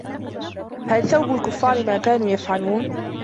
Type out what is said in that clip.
هل ثوب الكفار ما كانوا يفعلون